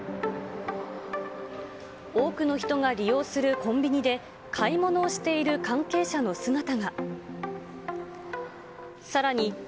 多くの人が利用するコンビニで、買い物をしている関係者の姿が。